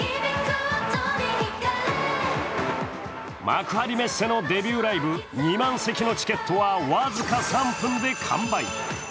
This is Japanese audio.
幕張メッセのデビューライブ、２万席のチケットは僅か３分で完売。